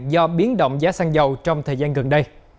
do biến động giá xăng dầu trong thời gian gần đây